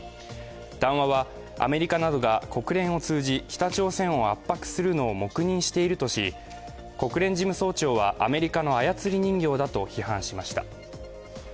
談話はアメリカなどが国連を通じ北朝鮮を圧迫するのを黙認しているとし国連事務総長はアメリカの操り人形だと批判しました。